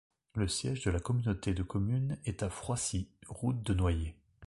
Le siège de la communauté de communes est à Froissy, route de Noyers.